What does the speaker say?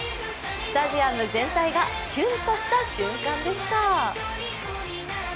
スタジアム全体がキュンとした瞬間でした。